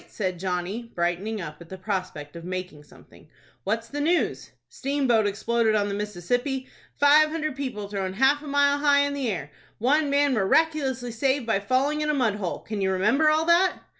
said Johnny, brightening up at the prospect of making something. "What's the news?" "Steamboat exploded on the Mississippi! Five hundred people thrown half a mile high in the air! One man miraculously saved by falling in a mud hole! Can you remember all that?"